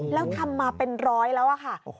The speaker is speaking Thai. แล้วทำมาเป็นร้อยแล้วอะค่ะ